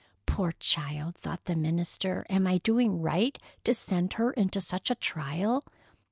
"Poor child!" thought the minister. "Am I doing right to send her into such a trial?"